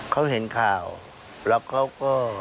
แล้วเขาก็